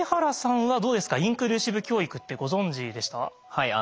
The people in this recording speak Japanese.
はい。